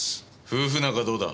夫婦仲はどうだ？